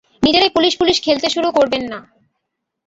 নিজেরাই police police খেলতে শুরু করবে না।